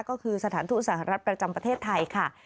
ก็คือสถานทูตสหรัฐประจำประเทศไทยค่ะ